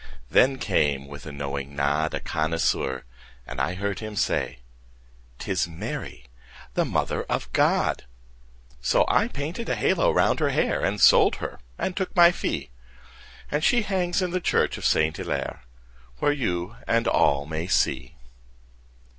Then came, with a knowing nod, A connoisseur, and I heard him say; "'Tis Mary, the Mother of God." So I painted a halo round her hair, And I sold her and took my fee, And she hangs in the church of Saint Hillaire, Where you and all may see.